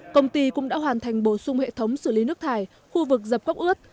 công ty cũng đã hoàn thành bổ sung hệ thống xử lý nước thải khu vực dập cốc ướt